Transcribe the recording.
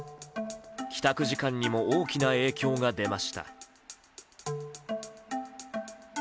帰宅時間にも大きな影響が出ました。